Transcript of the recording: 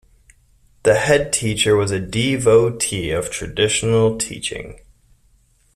The headteacher was a devotee of traditional teaching